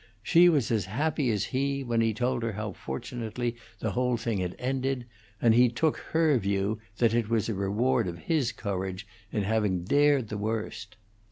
She was as happy as he when he told her how fortunately the whole thing had ended, and he took her view that it was a reward of his courage in having dared the worst.